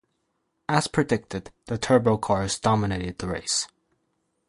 As predicted, the turbo cars dominated the race.